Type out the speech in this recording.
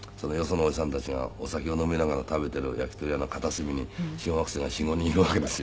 そのおじさんたちがお酒を飲みながら食べている焼き鳥屋の片隅に小学生が４５人いるわけですよね。